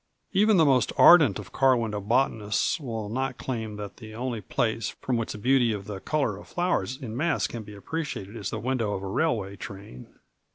Even the most ardent of car window botanists will not claim that the only place from which the beauty of the color of flowers in mass can be appreciated is the window of a railway train.